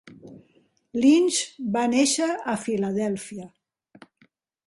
Lynch va néixer a Filadèlfia.